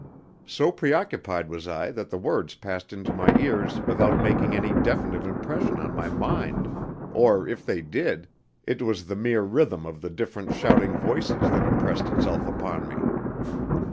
So preoccupied was I that the words passed into my ears without making any definite impression on my mind; or, if they did, it was the mere rhythm of the different shouting voices that impressed itself upon me.